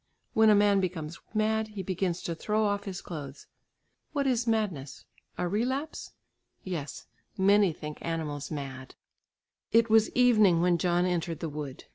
When a man becomes mad, he begins to throw off his clothes. What is madness? A relapse? Yes, many think animals mad. It was evening when John entered the wood.